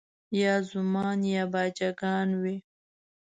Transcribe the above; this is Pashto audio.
یا زومان یا باجه ګان وي